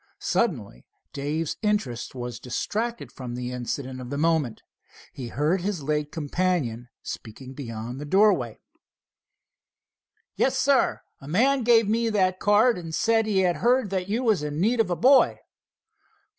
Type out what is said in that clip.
Suddenly Dave's interest was distracted from the incident of the moment. He heard his late companion speaking beyond the doorway:— "Yes, sir, a man gave me that card and said he had heard that you was in need of a boy."